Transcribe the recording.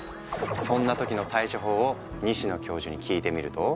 そんな時の対処法を西野教授に聞いてみると。